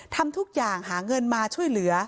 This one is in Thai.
ทำทุกอย่างหาเงินมาช่วยเหลือ